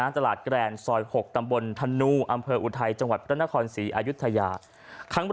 ตลาดแกรนซอย๖ตำบลธนูอำเภออุทัยจังหวัดพระนครศรีอายุทยา